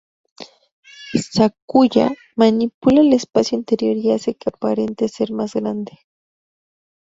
Sakuya manipula el espacio interior y hace que aparente ser más grande.